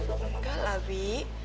enggak lah bi